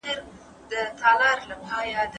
بې وزلي خلګ کار کولو ته اړ ایستل کیږي.